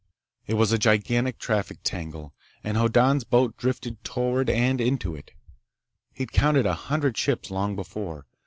It was a gigantic traffic tangle, and Hoddan's boat drifted toward and into it. He'd counted a hundred ships long before.